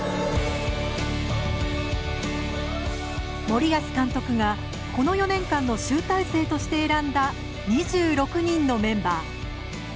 森保監督がこの４年間の集大成として選んだ２６人のメンバー。